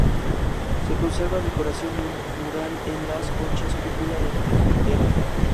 Se conserva decoración mural en las conchas, cúpula y presbiterio.